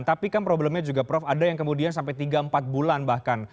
tapi kan problemnya juga prof ada yang kemudian sampai tiga empat bulan bahkan